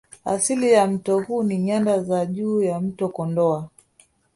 Asili ya mto huu ni Nyanda za Juu za mto Kondoa